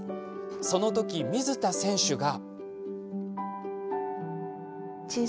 そのとき、水田選手が。